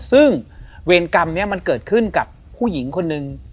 ซึ่งเวรกรรมนี้มันเกิดขึ้นกับผู้หญิงคนหนึ่ง